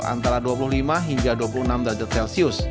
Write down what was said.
antara dua puluh lima hingga dua puluh enam derajat celcius